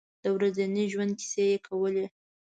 د ورځني ژوند کیسې یې کولې.